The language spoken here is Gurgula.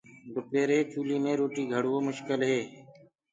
دُپيري چولِي مي روٽي گھڙوو مشڪل هي۔